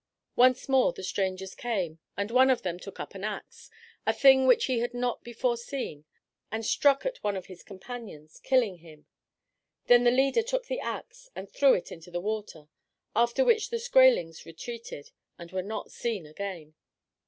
Once more the strangers came, and one of them took up an axe, a thing which he had not before seen, and struck at one of his companions, killing him. Then the leader took the axe and threw it into the water, after which the Skraelings retreated, and were not seen again.